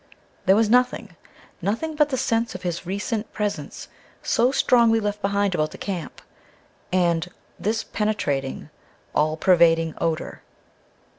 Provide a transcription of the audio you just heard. There was nothing; nothing but the sense of his recent presence, so strongly left behind about the camp; and this penetrating, all pervading odor.